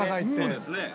そうですね